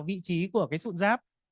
vị trí của cái sụn giáp